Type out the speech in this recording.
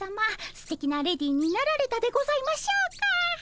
すてきなレディーになられたでございましょうか？